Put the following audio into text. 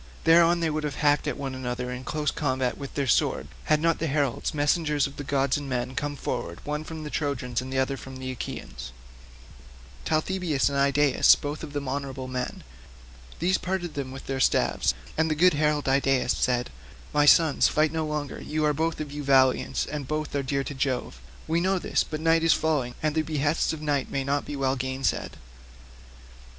Thereon they would have hacked at one another in close combat with their swords, had not heralds, messengers of gods and men, come forward, one from the Trojans and the other from the Achaeans—Talthybius and Idaeus both of them honourable men; these parted them with their staves, and the good herald Idaeus said, "My sons, fight no longer, you are both of you valiant, and both are dear to Jove; we know this; but night is now falling, and the behests of night may not be well gainsaid."